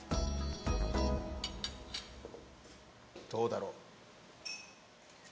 どうだろう。